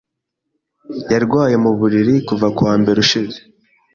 Yarwaye mu buriri kuva ku wa mbere ushize.